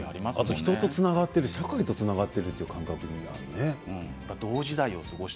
人とつながっている社会につながっているという感覚になるんだね。